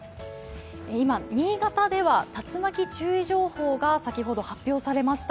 今、新潟では竜巻注意情報が先ほど発表されました。